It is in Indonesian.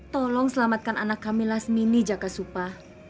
tolong selamatkan anak kami lasmini jakasupa